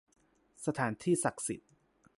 สถานที่ศักดิ์สิทธิ์